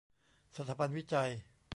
สถาบันวิจัย